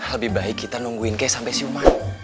lebih baik kita nungguin kayak sampai siuman